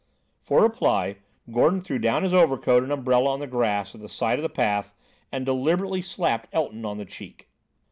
For reply, Gordon threw down his overcoat and umbrella on the grass at the side of the path, and deliberately slapped Elton on the cheek.